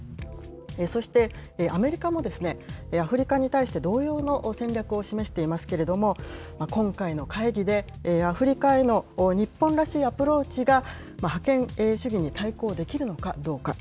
そして、アメリカもアフリカに対して同様の戦略を示していますけれども、今回の会議でアフリカへの日本らしいアプローチが覇権主義に対抗できるのかどうか。